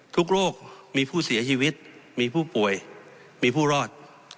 โรคมีผู้เสียชีวิตมีผู้ป่วยมีผู้รอด